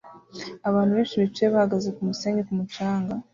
Abantu benshi bicaye bahagaze kumusenyi ku mucanga